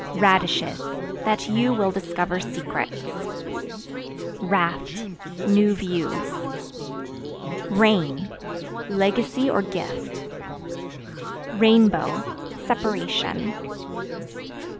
Radishes That you will discover secrets. Raft New views. Rain Legacy or gift. Rainbow Separation.